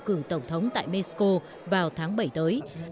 các quốc bầu cử tổng thống tại mexico vào tháng bảy tới